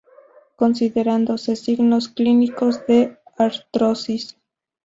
Considerándose signos clínicos de artrosis.